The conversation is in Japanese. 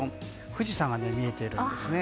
富士山が見えているんですね。